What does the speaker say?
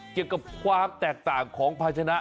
เกี่ยวกับความแตกต่างของภาชนะ